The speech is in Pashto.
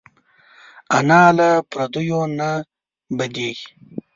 انا له پردیو نه بدېږي